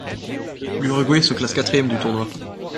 L'Uruguay se classe quatrième du tournoi.